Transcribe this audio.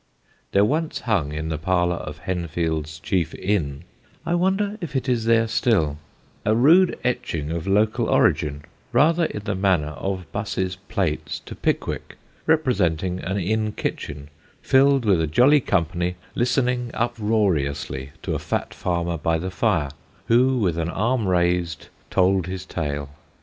[Sidenote: A WOODCOCK ON AN OAK] There once hung in the parlour of Henfield's chief inn I wonder if it is there still a rude etching of local origin, rather in the manner of Buss's plates to Pickwick, representing an inn kitchen filled with a jolly company listening uproariously to a fat farmer by the fire, who, with arm raised, told his tale.